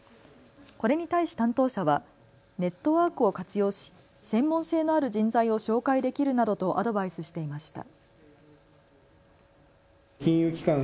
これに対し担当者は、ネットワークを活用し専門性のある人材を紹介できるなどとアドバイスしていました。